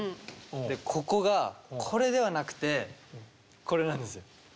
でここがこれではなくてこれなんですよ。